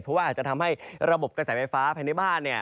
เพราะว่าอาจจะทำให้ระบบกระแสไฟฟ้าภายในบ้าน